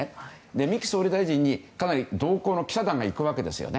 三木総理大臣に結構同行の記者団が行くわけですよね。